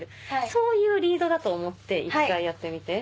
そういうリードだと思って１回やってみて。